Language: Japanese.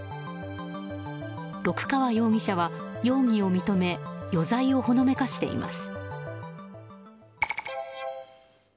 六川容疑者は容疑を認め余罪をほのめかしています。